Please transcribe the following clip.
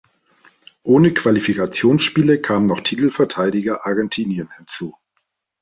Ohne Qualifikationsspiele kam noch Titelverteidiger Argentinien hinzu.